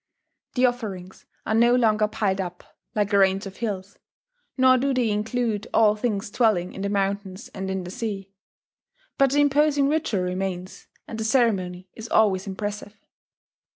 The offerings are no longer piled up "like a range of hills," nor do they include all things dwelling in the mountains and in the sea; but the imposing ritual remains, and the ceremony is always impressive.